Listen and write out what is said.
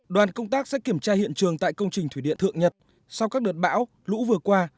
đoàn công tác sẽ kiểm tra hiện trường tại công trình thủy điện thượng nhật sau các đợt bão lũ vừa qua